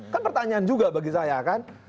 kan pertanyaan juga bagi saya kan